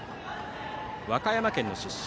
和歌山県の出身。